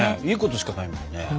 いいことしかないもんね。